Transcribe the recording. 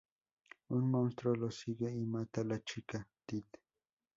Un monstruo los sigue y mata la chica Tit.